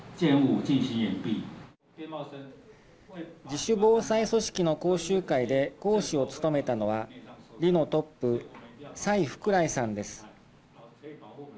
自主防災組織の講習会で講師を務めたのは里のトップ蔡福来さんです。